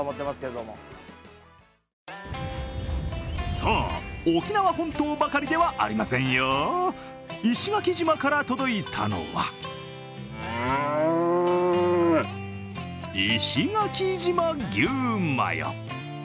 さあ沖縄本島ばかりではありませんよ。石垣島から届いたのは石垣島牛マヨ。